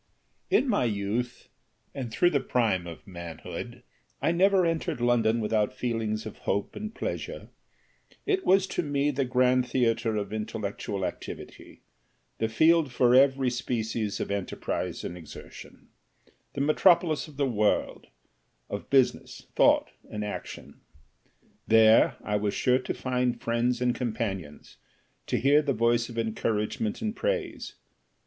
"In my youth, and through the prime of manhood, I never entered London without feelings of hope and pleasure. It was to me the grand theatre of intellectual activity, the field for every species of enterprise and exertion, the metropolis of the world, of business, thought, and action. There, I was sure to find friends and companions, to hear the voice of encouragement and praise.